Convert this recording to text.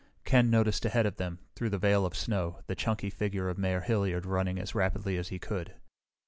Ken noticed ahead of them, through the veil of snow, the chunky figure of Mayor Hilliard running as rapidly as he could.